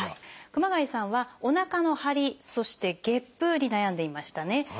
熊谷さんはおなかのハリそしてゲップに悩んでいましたね。